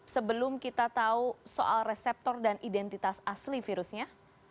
sebelum kita tahu soal reseptor dan identitas asli virusnya